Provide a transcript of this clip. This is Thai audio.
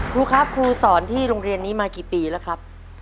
ครูครับครูสอนที่โรงเรียนนี้มากี่ปีแล้วครับ